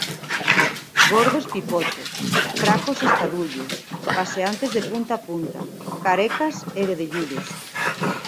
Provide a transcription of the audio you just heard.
Gordos pipote, fracos estadullo, paseantes de punta a punta, carecas e guedelludos.